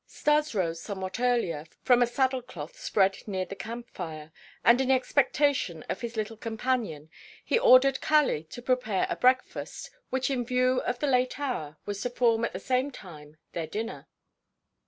Stas rose somewhat earlier from a saddle cloth spread near the camp fire, and in expectation of his little companion he ordered Kali to prepare a breakfast, which in view of the late hour was to form at the same time their dinner.